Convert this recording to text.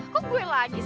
kok gue lagi sih